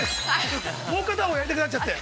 ◆もう片方やりたくなっちゃって。